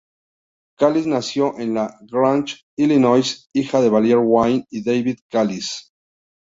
Callies nació en La Grange, Illinois, hija de Valerie Wayne y David Callies.